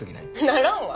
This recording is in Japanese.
ならんわ。